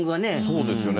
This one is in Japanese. そうですよね。